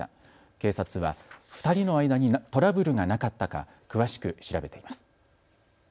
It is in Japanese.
警察は２人の間にトラブルがなかったか詳しく調べています。